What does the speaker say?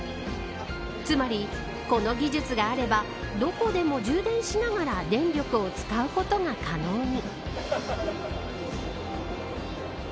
つまり、この技術があればどこでも充電しながら電力を使うことが可能に。